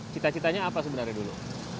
cita citanya apa sebenarnya dulu